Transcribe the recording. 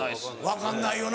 分かんないよな。